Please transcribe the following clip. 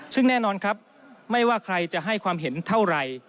ซึ่งแน่นอนครับไม่ว่าใครจะให้ความเห็นเท่าไหร่